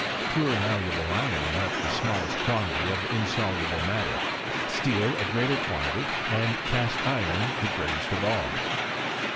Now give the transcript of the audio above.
Pure malleable iron left the smallest quantity of insoluble matter, steel a greater quantity, and cast iron the greatest of all.